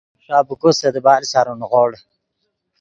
ݰابیکو سے دیبال سارو نیغوڑ